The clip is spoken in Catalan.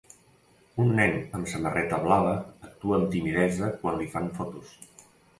Un nen amb samarreta blava actua amb timidesa quan li fan fotos.